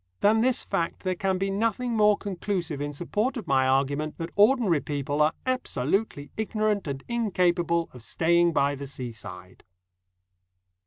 Than this fact there can be nothing more conclusive in support of my argument that ordinary people are absolutely ignorant and incapable of staying by the seaside.